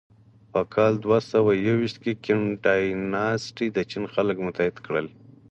په کال دوهسوهیوویشت کې کین ډایناسټي د چین خلک متحد کړل.